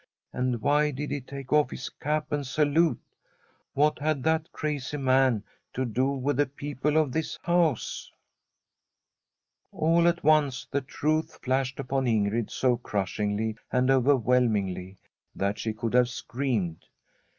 And why did he take of! his cap and salute ? What had that crazy man to do with the people of this house ? All at once the truth flashed upon Ingrid so crushingly and overwhelmingly that she could have screamed.